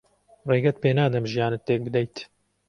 ڕێگەت پێ نادەم ژیانت تێک بدەیت.